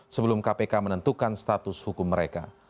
sebelum kpk menentukan status hukum mereka